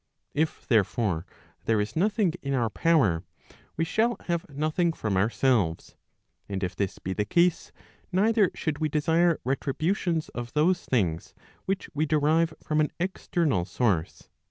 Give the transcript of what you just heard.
If there* fore, there is nothing in our power, we shall have nothing from ourselves. And if this be the case, neither should we desire retributions of those things which we derive from an external source.